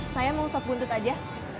saya mau sop buntut aja